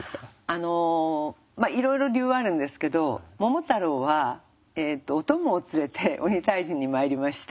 あのいろいろ理由はあるんですけど桃太郎はお供を連れて鬼退治に参りました。